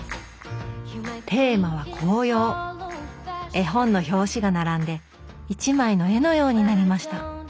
絵本の表紙が並んで一枚の絵のようになりました。